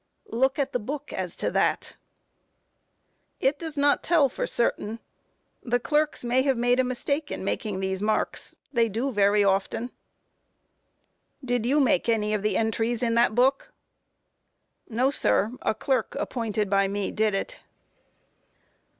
Q. Look at the book as to that. A. It does not tell for certain; the clerks may have made a mistake in making these marks; they do very often. Q. Did you make any of the entries in that book? A. No, sir; a clerk appointed by me did it.